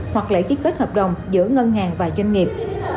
hoặc lễ ký kết hợp đồng giữa ngân hàng và doanh nghiệp